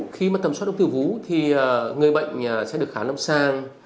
khi mà tầm soát ung tư vú thì người bệnh sẽ được khám lâm sang